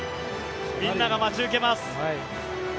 みんなが待ち受けます。